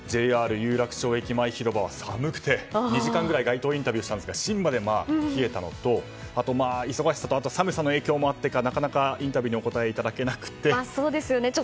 有楽町駅前広場はそれでも寒くて、２時間ぐらい街頭インタビューしたんですけど芯まで冷えたのと忙しさと寒さの影響もあってかなかなかインタビューにお答えいただけなくて。